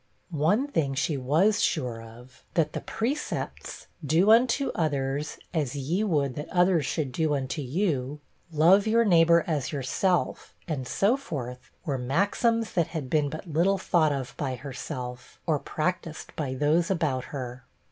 One thing she was sure of that the precepts, 'Do unto others as ye would that others should do unto you,' 'Love your neighbor as yourself,' and so forth, were maxims that had been but little thought of by herself, or practised by those about her.